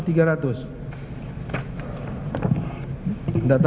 enggak tahu enggak lupa